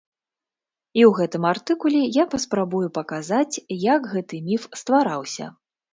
І ў гэтым артыкуле я паспрабую паказаць, як гэты міф ствараўся.